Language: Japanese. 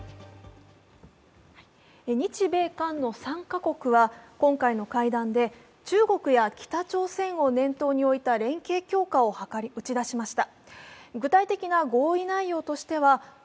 日米韓の３か国は今回の会談で中国や北朝鮮を念頭に置いた連携強化を打ち出しました。